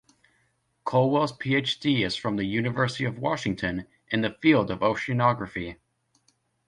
Colwell's Ph.D. is from the University of Washington in the field of oceanography.